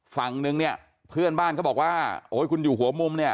ฝั่งนึงเนี่ยเพื่อนบ้านเขาบอกว่าโอ้ยคุณอยู่หัวมุมเนี่ย